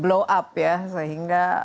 low up ya sehingga